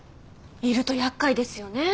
いると厄介ですよね。